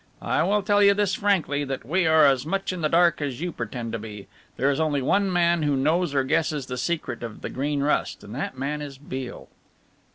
I will tell you this frankly, that we are as much in the dark as you pretend to be. There is only one man who knows or guesses the secret of the Green Rust, and that man is Beale."